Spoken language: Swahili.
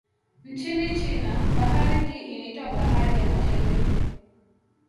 Nchini China, bahari hii inaitwa Bahari ya Mashariki.